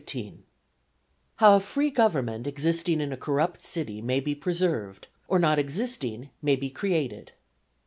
—_How a Free Government existing in a corrupt City may be preserved, or not existing may be created.